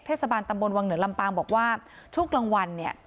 เทศบาลตำบลวังเหนือลำปางบอกว่าช่วงกลางวันเนี่ย